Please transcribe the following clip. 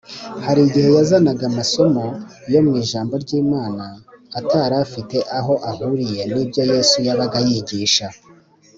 hari igihe yazanaga amasomo yo mu ijambo ry’imana atari afite aho ahuriye n’ibyo yesu yabaga yigisha